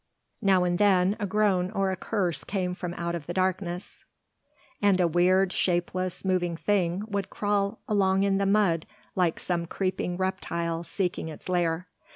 Now and then a groan or a curse came from out the darkness, and a weird, shapeless, moving thing would crawl along in the mud like some creeping reptile seeking its lair.